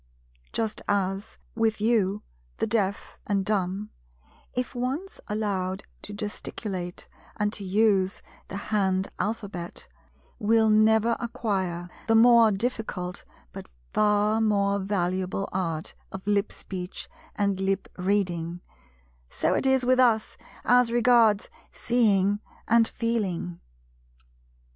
Just as, with you, the deaf and dumb, if once allowed to gesticulate and to use the hand alphabet, will never acquire the more difficult but far more valuable art of lip speech and lip reading, so it is with us as regards "Seeing" and "Feeling."